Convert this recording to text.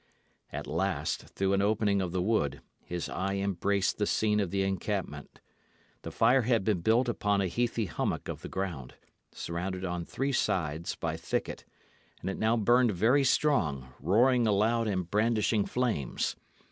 At last, through an opening of the wood, his eye embraced the scene of the encampment. The fire had been built upon a heathy hummock of the ground, surrounded on three sides by thicket, and it now burned very strong, roaring aloud and brandishing flames.